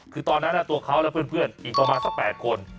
คือตอนนั้นตัวเขาและเพื่อนอีกประมาณสัก๘คน